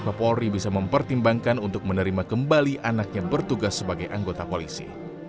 kapolri bisa mempertimbangkan untuk menerima kembali anaknya bertugas sebagai anggota polisi